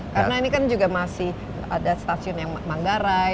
karena ini kan masih ada stasiun yang manggarai